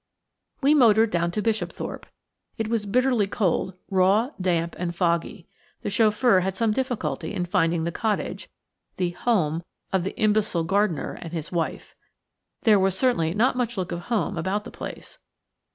We motored down to Bishopthorpe. It was bitterly cold, raw, damp, and foggy. The chauffeur had some difficulty in finding the cottage, the "home" of the imbecile gardener and his wife. There was certainly not much look of home about the place.